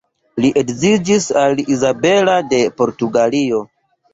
Li edziĝis al Izabela de Portugalio.